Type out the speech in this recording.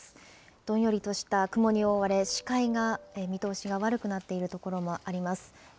どんよりとした雲に覆われ、視界が、見通しが悪くなっている所もあります。